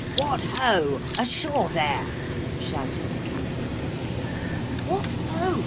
'What ho! ashore there!' shouted the captain. 'What ho!'